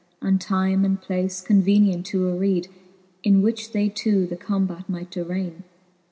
And time and place convenient to areed, In which they two the combat might darralne.